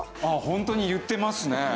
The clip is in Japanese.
あっホントに言ってますね。